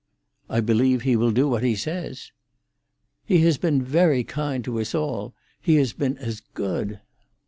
"I believe he will do what he says." "He has been very kind to us all; he has been as good!"